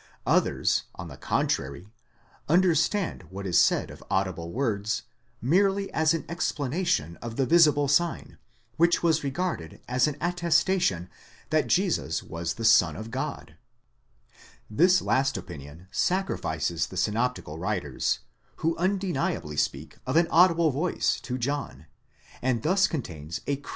Others, on the contrary, understand what is said of audible words, merely as an explanation of the visible sign, which was regarded as an attestation that Jesus was the Son of God. This last opinion sacrifices the synoptical writers, who un deniably speak of an audible voice, to John, and thus contains a critical 5 As even Liicke confesses, Comm. zum Evang. Joh. i.